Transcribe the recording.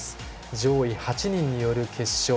上位８人による決勝。